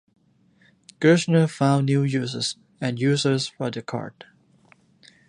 Gerstner found new uses and users for the card.